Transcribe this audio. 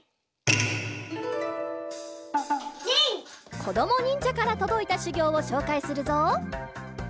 こどもにんじゃからとどいたしゅぎょうをしょうかいするぞ。